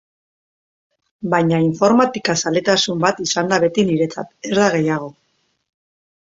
Baina informatika zaletasun bat izan da beti niretzat, ez da gehiago.